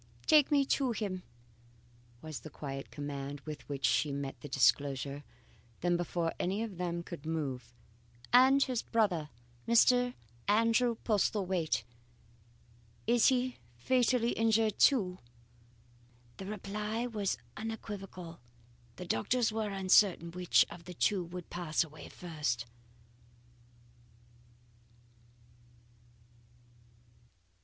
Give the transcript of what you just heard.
"'Take me to him,' was the quiet command, with which she met this disclosure. Then, before any of them could move: "'And his brother, Mr. Andrew Postlethwaite? Is he fatally injured too?' "The reply was unequivocal. The doctors were uncertain which of the two would pass away first.